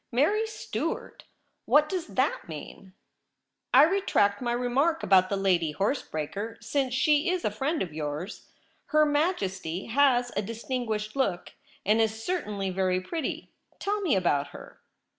Mary Stuart ! what does that mean ? I retract my remark about the lady horse breaker, since she is a friend* of yours. Her Majesty has a distinguished look, and is certainly very pretty. Tell me about her.'